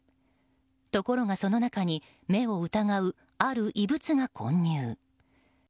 ところが、その中に目を疑う、ある異物が混入。